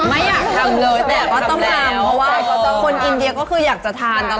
ไม่อยากทำเลยแต่ก็ต้องทำเพราะว่าคนอินเดียก็คืออยากจะทานนะ